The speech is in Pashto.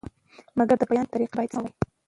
مګر د بیان طریقه یې باید سمه وي.